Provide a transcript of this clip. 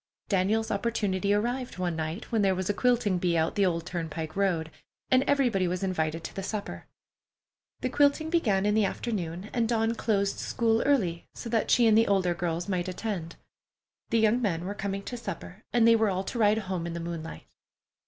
Daniel's opportunity arrived one night when there was a quilting bee out the old turnpike road, and everybody was invited to the supper. The quilting began in the afternoon, and Dawn closed school early, so that she and the older girls might attend. The young men were coming to supper, and they were all to ride home in the moonlight.